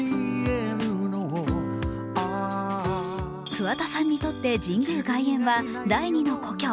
桑田さんにとって神宮外苑は第２の故郷。